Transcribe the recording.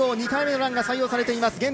２回目のランが採用されています。